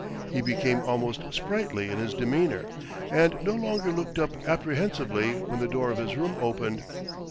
He became almost sprightly in his demeanour, and no longer looked up apprehensively when the door of his room opened.